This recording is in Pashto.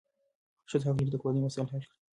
ښځه حق لري چې د کورنۍ مسایل حل کړي.